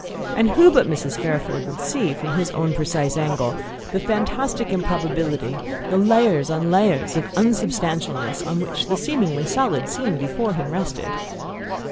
And who but Mrs. Fairford would see, from his own precise angle, the fantastic improbability, the layers on layers of unsubstantialness, on which the seemingly solid scene before him rested?